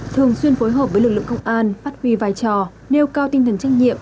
thường xuyên phối hợp với lực lượng công an phát huy vai trò nêu cao tinh thần trách nhiệm